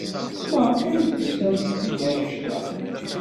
Maɣef ay d-tusamt zik anect-a?